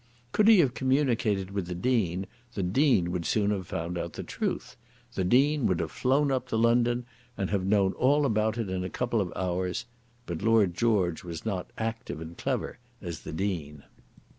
Could he have communicated with the Dean, the Dean would soon have found out the truth. The Dean would have flown up to London and have known all about it in a couple of hours; but Lord George was not active and clever as the Dean.